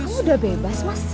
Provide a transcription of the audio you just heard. kamu udah bebas mas